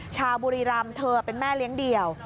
ชาวบุรีรำเธอเป็นแม่เลี้ยงเดี่ยว